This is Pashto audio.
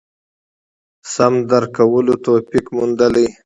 سم درک کولو توفیق موندلي.